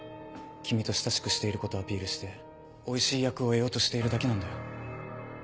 君と親しくしていることをアピールしておいしい役を得ようとしているだけなんだよ。